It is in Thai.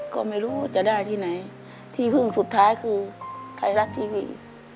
ก็ไม่รู้จะได้ที่ไหนที่พึ่งสุดท้ายคือไทยรัฐทีวี